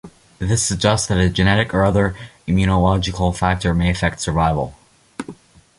This suggests that a genetic or other immunological factor may affect survival.